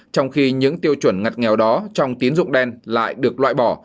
trong khi những tiêu chuẩn ngặt nghèo đó trong tiến dụng đen lại được loại bỏ